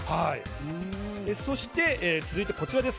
そして、続いてこちらです。